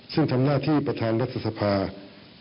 ซึ่งทำหน้าที่ประธานรัฐสภา